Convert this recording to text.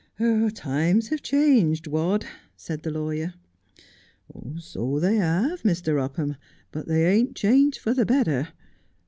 ' Times have changed, Wadd,' said the lawyer. ' So they have, Mr. Upham, but they ain't changed for the better.